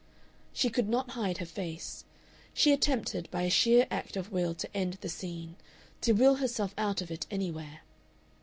She could not hide her face. She attempted by a sheer act of will to end the scene, to will herself out of it anywhere.